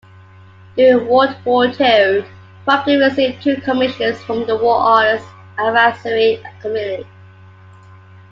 During World War Two, Frampton received two commissions from the War Artists' Advisory Committee.